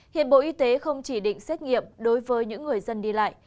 hiện bộ y tế không chỉ định xét nghiệm đối với những người dân đi lại